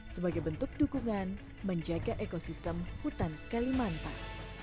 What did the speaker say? sebagai bentuk dukungan menjaga ekosistem hutan kalimantan